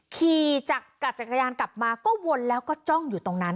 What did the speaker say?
ขี่จากจักรยานกลับมาก็วนแล้วก็จ้องอยู่ตรงนั้น